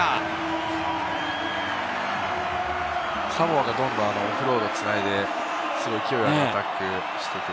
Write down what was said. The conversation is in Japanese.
サモアがどんどんオフロードを繋いで勢いのあるタックルをしてくる。